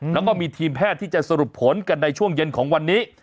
แล้วก็มีทีมแพทย์ที่จะสรุปผลกันในช่วงเย็นของวันนี้